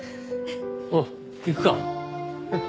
おう行くか。